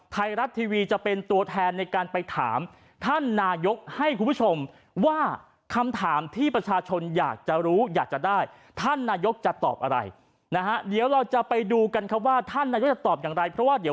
ไทยรัฐทีวีจะเป็นตัวแทนในการไปถามท่านนายกให้คุณผู้ชมว่าคำถามที่ประชาชนอยากจะรู้อยากจะได้